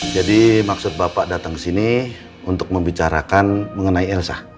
jadi maksud bapak datang sini untuk membicarakan mengenai elsa